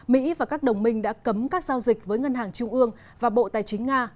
mỹ và các đồng minh đã cấm các giao dịch với ngân hàng trung ương và bộ tài chính nga